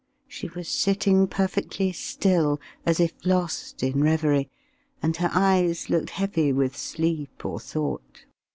She was sitting perfectly still, as if lost in reverie, and her eyes looked heavy with sleep or thought.